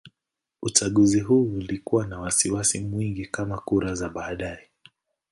Uchaguzi huu ulikuwa na wasiwasi mwingi kama kura za baadaye.